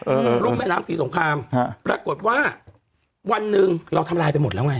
รุ่มแม่น้ำศรีสงครามฮะปรากฏว่าวันหนึ่งเราทำลายไปหมดแล้วไง